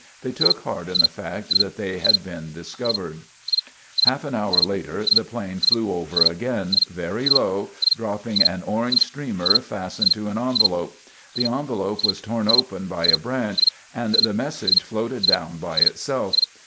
They took heart in the fact that they'd been discovered. [Illustration: Parachute drops from air rescue.] Half an hour later, the plane flew over again, very low, dropping an orange streamer fastened to an envelope. The envelope was torn open by a branch, and the message floated down by itself.